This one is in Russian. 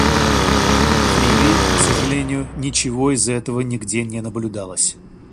В Ливии, к сожалению, ничего из этого нигде не наблюдалось.